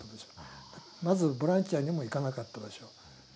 まずボランティアにも行かなかったでしょう。